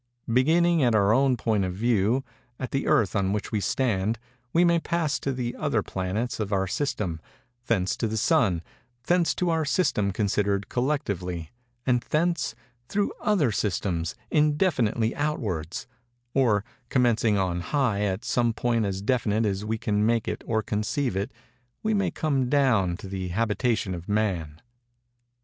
Beginning at our own point of view—at the Earth on which we stand—we may pass to the other planets of our system—thence to the Sun—thence to our system considered collectively—and thence, through other systems, indefinitely outwards; or, commencing on high at some point as definite as we can make it or conceive it, we may come down to the habitation of Man.